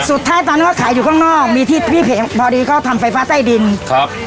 สุดท้ายตอนนั้นเขาขายอยู่ข้างนอกมีที่ที่พอดีเขาทำไฟฟ้าใต้ดินครับ